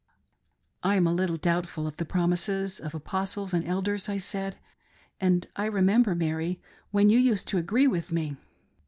" I am a little doubtful of the promises of Apostles and Elders," I said, " and I remember, Mary, when you used to agree with me."